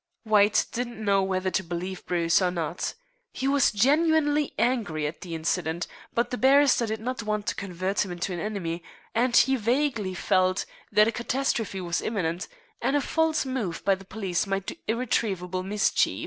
White didn't know whether to believe Bruce or not. He was genuinely angry at the incident, but the barrister did not want to convert him into an enemy, and he vaguely felt that a catastrophe was imminent, and a false move by the police might do irretrievable mischief.